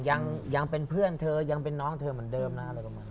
ยังเป็นเพื่อนเธอยังเป็นน้องเธอเหมือนเดิมนะอะไรประมาณ